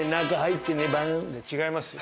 って違いますよ。